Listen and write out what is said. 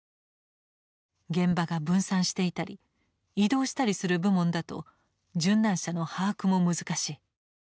現場が分散していたり移動したりする部門だと殉難者の把握も難しい。